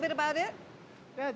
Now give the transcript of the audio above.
beritahu saya sedikit tentangnya